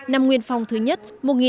năm nguyên phong thứ nhất